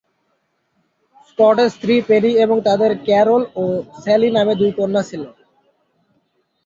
স্কটের স্ত্রী পেনি এবং তাদের ক্যারল ও স্যালি নামে দুই কন্যা ছিল।